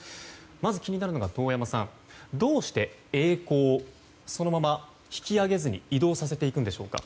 まず気になるのが、遠山さんどうして曳航そのまま引き揚げずに移動させていくんでしょうか。